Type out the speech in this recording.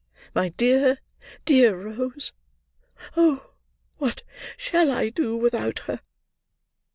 My dear, dear Rose! Oh, what shall I do without her!"